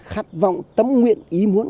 khát vọng tấm nguyện ý muốn